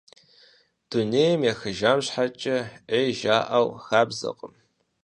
Дунейм ехыжам щхьэкӀэ Ӏей жаӀэу хабзэкъым.